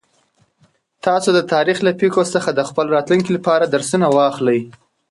تاسو د تاریخ له پېښو څخه د خپل راتلونکي لپاره درسونه واخلئ.